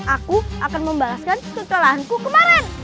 aku akan membalaskan kesalahanku kemarin